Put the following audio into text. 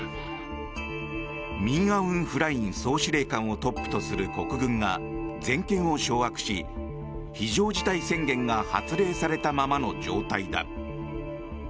ミンアウンフライン総司令官をトップとする国軍が全権を掌握し、非常事態宣言が発令されたままの状態だ。